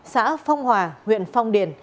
xã phong hòa huyện phong điền